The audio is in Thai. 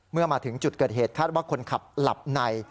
เมื่อมาถึงจุดเกิดเหตุคาดว่าคนขับหลับใน